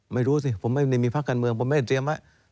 ไม่รู้สิผมไม่ได้มีภาคการเมืองผมไม่ได้เตรียมไว้